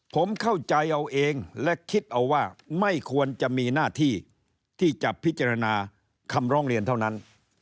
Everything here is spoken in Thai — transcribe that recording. ผมเข้าใจเอาเองและคิดเอาว่าไม่ควรจะมีหน้าที่ที่จะพิจารณาคำร้องเรียนเท่านั้น